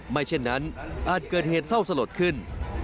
ไม่เช่นนั้นอาจเกิดเหตุเศร้าสลดขึ้น